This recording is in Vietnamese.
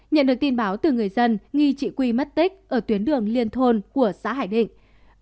nhận được tin báo từ người dân nghi chị quy mất tích ở tuyến đường liên thôn của xã hải định